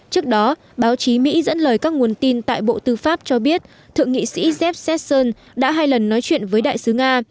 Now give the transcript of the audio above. trước đó báo chí mỹ dẫn lời các nguồn tin tại bộ tư pháp cho biết thượng nghị sĩ jeb s seon đã hai lần nói chuyện với đại sứ nga